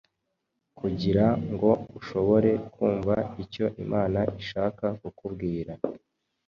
kugira ngo ushobore kumva icyo Imana ishaka kukubwira.